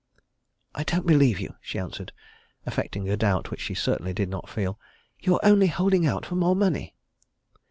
"I don't believe you," she answered, affecting a doubt which she certainly did not feel. "You're only holding out for more money."